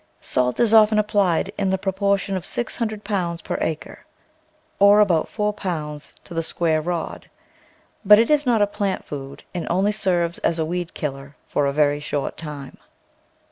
Salt is often applied in the proportion of six hun dred pounds per acre, or about four pounds to the THE VEGETABLE GARDEN square rod, but it is not a plant food and only serves as a weed killer for a very short time.